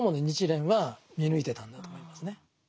日蓮は見抜いてたんだと思いますね。